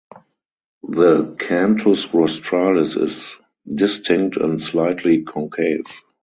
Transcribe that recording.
The canthus rostralis is distinct and slightly concave.